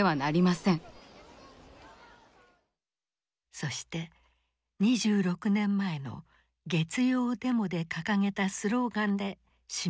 そして２６年前の月曜デモで掲げたスローガンで締めくくった。